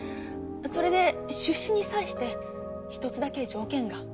それで出資に際して一つだけ条件が。